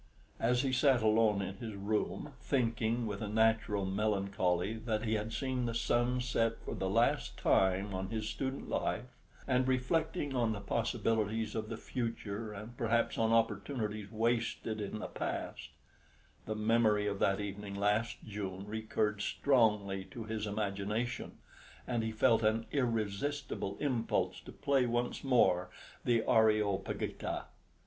As he sat alone in his room, thinking with a natural melancholy that he had seen the sun set for the last time on his student life, and reflecting on the possibilities of the future and perhaps on opportunities wasted in the past, the memory of that evening last June recurred strongly to his imagination, and he felt an irresistible impulse to play once more the "Areopagita."